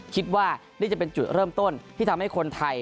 คิดว่านี่จะเป็นจุดเริ่มต้นที่ทำให้คนไทย